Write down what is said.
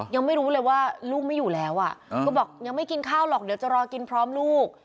ยังไม่รู้เลยว่าลูกไม่อยู่แล้วก็บอกยังไม่กินข้าวหรอกเดี๋ยวจะรอกินพร้อมลูก